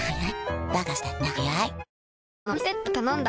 はい。